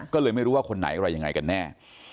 ก็เลยไม่รู้ว่าคนไหนอะไรยังไงกันแน่